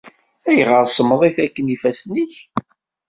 Ayɣer semmḍit akken yifassen-ik?